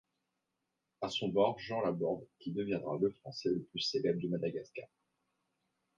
À son bord Jean Laborde qui deviendra le Français le plus célèbre de Madagascar.